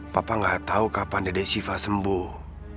papa nggak tahu kapan dede siva sembuh